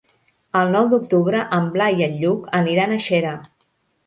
El nou d'octubre en Blai i en Lluc aniran a Xera.